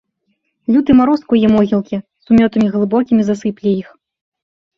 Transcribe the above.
Люты мароз скуе могілкі, сумётамі глыбокімі засыпле іх.